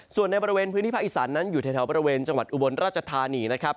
ส่วนในบริเวณพื้นที่ภาคอีสานนั้นอยู่แถวบริเวณจังหวัดอุบลราชธานีนะครับ